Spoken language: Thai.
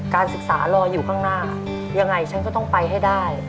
การศึกษารออยู่ข้างหน้ายังไงฉันก็ต้องไปให้ได้